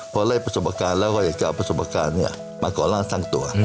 พอได้ประสบการณ์แล้วก็อยากจะเอาประสบการณ์มาก่อร่างสร้างตัว